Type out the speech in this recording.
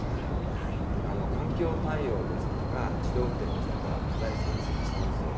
今、環境対応ですとか、自動運転ですとか、課題山積してますよね。